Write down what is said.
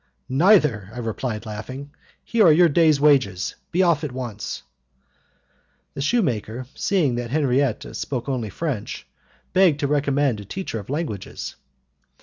"Neither," I replied, laughing. "Here are your day's wages. Be off at once." The shoemaker, seeing that Henriette spoke only French, begged to recommend a teacher of languages.